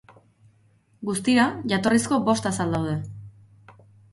Guztira, jatorrizko bost azal daude.